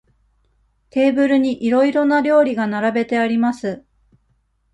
テーブルにいろいろな料理が並べてあります。